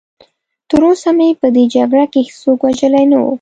تراوسه مې په دې جګړه کې هېڅوک وژلی نه و.